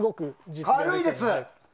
軽いです。